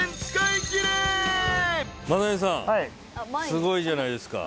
すごいじゃないですか。